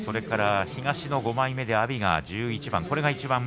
東の５枚目阿炎が１１番。